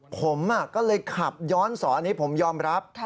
ผมก็เลยขับย้อนสอนผมยอมรับ